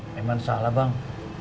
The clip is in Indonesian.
memang salah bang